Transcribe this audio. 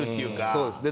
そうですね。